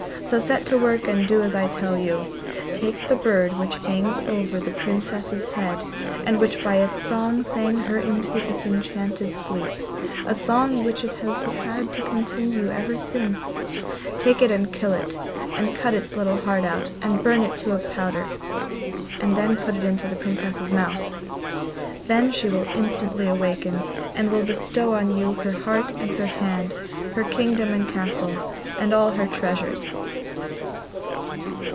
So set to work and do as I tell you. Take the bird which hangs over the Princess's head, and which by its song sang her into this enchanted sleep a song which it has had to continue ever since; take it and kill it, and cut its little heart out and burn it to a powder, and then put it into the Princess's mouth; then she will instantly awaken, and will bestow on you her heart and hand, her kingdom and castle, and all her treasures.